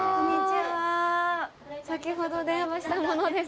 先ほど電話した者です